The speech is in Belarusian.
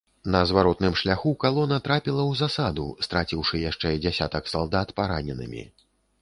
На зваротным шляху калона трапіла ў засаду, страціўшы яшчэ дзясятак салдат параненымі.